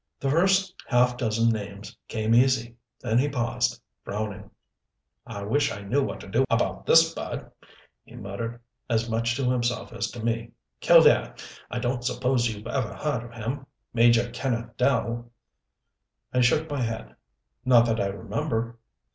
The first half dozen names came easy. Then he paused, frowning. "I wish I knew what to do about this bird," he muttered, as much to himself as to me. "Killdare, I don't suppose you've ever heard of him Major Kenneth Dell?" I shook my head. "Not that I remember."